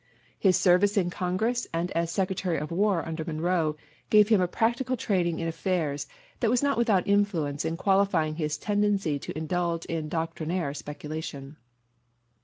His service in Congress and as Secretary of War under Monroe gave him a practical training in affairs that was not without influence in qualifying his tendency to indulge in doctrinaire speculation.